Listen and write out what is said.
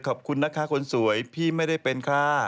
ขอบคุณนะคะคนสวยพี่ไม่ได้เป็นค่ะ